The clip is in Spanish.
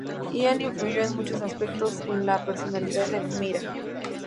Ian influyó en muchos aspectos en la personalidad de Myra.